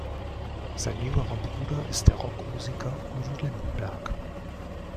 Sein jüngerer Bruder ist der Rockmusiker Udo Lindenberg.